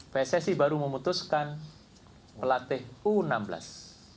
pssi baru memutuskan pelatih u enam belas saudara bima sakti